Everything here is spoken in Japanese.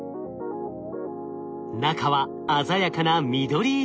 中は鮮やかな緑色。